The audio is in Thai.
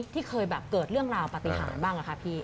ที่เคยแบบเกิดเรื่องราวปฏิหารบ้างอะค่ะพี่